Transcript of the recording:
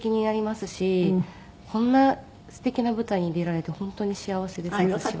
こんな素敵な舞台に出られて本当に幸せです私は。